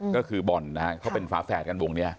ก็คือบอลนะฮะเขาเป็นฝาแฝดกันวงนี้